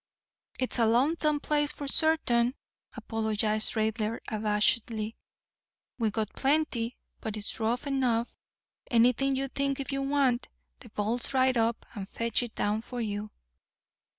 "It's a lonesome place, for certain," apologised Raidler abashedly. "We got plenty, but it's rough enough. Anything you think of you want, the boys'll ride up and fetch it down for you."